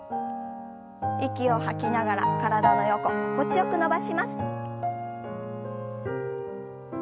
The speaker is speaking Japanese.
息を吐きながら体の横心地よく伸ばします。